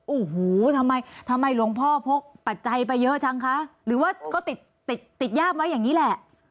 โอ้โหทำไมทำไมหลวงพ่อพกปัจจัยไปเยอะจังคะหรือว่าก็ติดติดย่ามไว้อย่างนี้แหละ